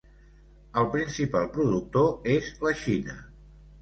El principal productor és la Xina.